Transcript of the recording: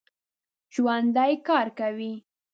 ژوندي کار کوي